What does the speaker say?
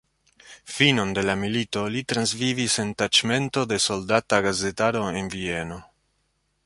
Finon de la milito li transvivis en taĉmento de soldata gazetaro en Vieno.